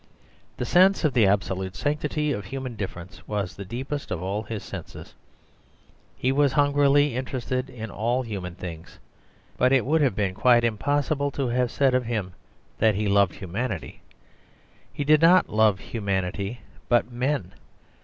The sense of the absolute sanctity of human difference was the deepest of all his senses. He was hungrily interested in all human things, but it would have been quite impossible to have said of him that he loved humanity. He did not love humanity but men.